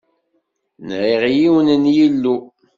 Nɣiɣ yiwen n yillu.